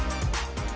yah bahanlah omg